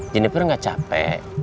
jiniper gak capek